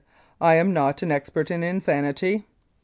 I am not an expert in insanity.